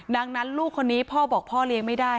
ดังนั้นลูกคนนี้พ่อบอกพ่อเลี้ยงไม่ได้